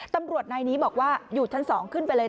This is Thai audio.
ตำรวจนายนี้บอกว่าอยู่ชั้น๒ขึ้นไปเลย